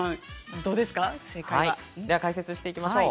解説していきましょう。